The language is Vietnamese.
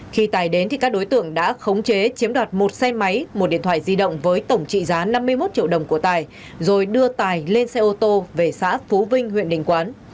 khi tài đến thì các đối tượng đã khống chế chiếm đoạt một xe máy một điện thoại di động với tổng trị giá năm mươi một triệu đồng của tài rồi đưa tài lên xe ô tô về xã phú vinh huyện đình quán